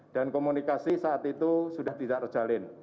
dan komunikasi saat itu sudah tidak terjalin